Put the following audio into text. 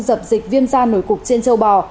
dập dịch viêm da nổi cục trên châu bò